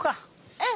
うん！